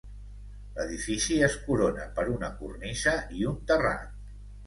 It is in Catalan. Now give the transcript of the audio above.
L'edifici es corona per una cornisa i un terrat.